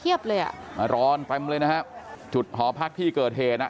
เลยอ่ะมาร้อนเต็มเลยนะฮะจุดหอพักที่เกิดเหตุอ่ะ